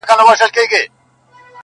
پلار مي مه غوولی، پلار دي غيم دا ښاغلی.